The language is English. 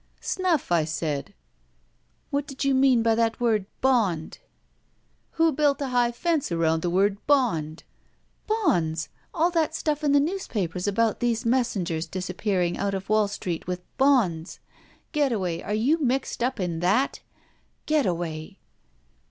"Snuff, I said." "What did you mean by that word, 'bond'?" "Who built a high fence around the word 'bond '?" "Bonds! All that stuff in the newspapers about those messengers disappearing out of Wall Street with — ^bonds ! Getaway, are you mixed up in that ? Getaway!"